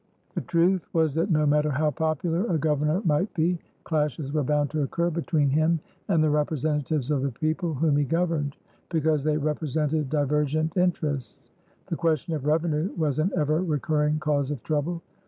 The truth was that no matter how popular a governor might be, clashes were bound to occur between him and the representatives of the people whom he governed, because they represented divergent interests. The question of revenue was an ever recurring cause of trouble.